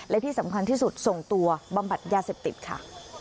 และที่สำคัญที่สุดส่งตัวบำบัดยาเสพติดค่ะ